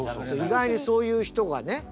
意外にそういう人がね。